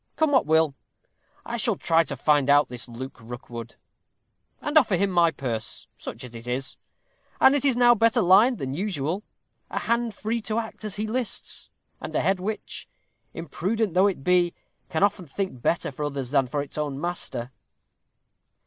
Come what will, I shall try to find out this Luke Rookwood, and offer him my purse, such as it is, and it is now better lined than usual; a hand free to act as he lists; and a head which, imprudent though it be, can often think better for others than for its own master."